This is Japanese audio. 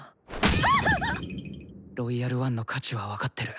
はあっ⁉「ロイヤル・ワン」の価値は分かってる。